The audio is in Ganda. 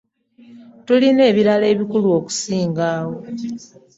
Tulina ebirala ebikulu okusinga awo.